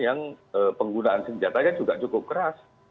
yang penggunaan senjatanya juga cukup keras